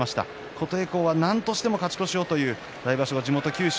琴恵光はなんとしても勝ち越し来場所は九州